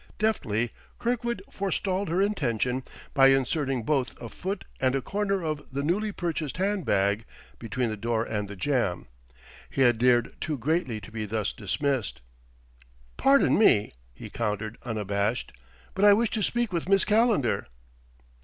Deftly Kirkwood forestalled her intention by inserting both a foot and a corner of the newly purchased hand bag between the door and the jamb. He had dared too greatly to be thus dismissed. "Pardon me," he countered, unabashed, "but I wish to speak with Miss Calendar."